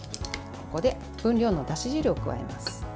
ここで分量のだし汁を加えます。